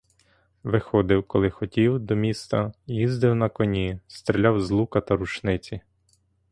Виходив, коли хотів, до міста, їздив на коні, стріляв з лука та з рушниці.